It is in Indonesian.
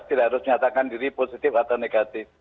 tidak harus nyatakan diri positif atau negatif